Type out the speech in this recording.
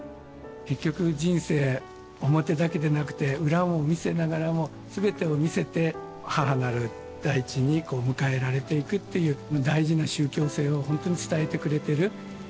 結局人生表だけでなくて裏も見せながらも全てを見せて母なる大地にこう迎えられていくっていう大事な宗教性をほんとに伝えてくれてる。